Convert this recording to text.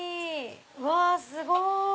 うわすごい！